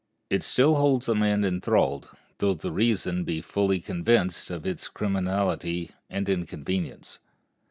It still holds a man enthralled, though the reason be fully convinced of its criminality and inconvenience.